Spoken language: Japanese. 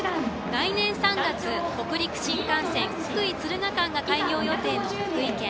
来年３月、北陸新幹線福井敦賀間が開業予定の福井県。